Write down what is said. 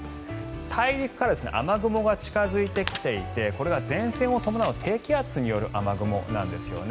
大陸から雨雲が近付いてきていてこれが前線を伴う低気圧による雨雲なんですよね。